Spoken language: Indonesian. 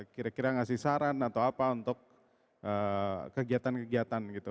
kira kira ngasih saran atau apa untuk kegiatan kegiatan gitu